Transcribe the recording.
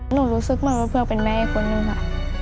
หนูรู้สึกเหมือนว่าป๊าเภือกเป็นแม่อีกคนนึงค่ะ